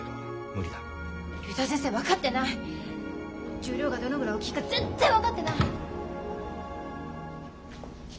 十両がどのぐらい大きいか全然分かってない！